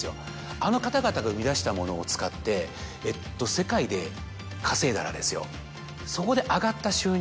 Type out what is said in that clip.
あの方々が生み出したものを使って世界で稼いだら。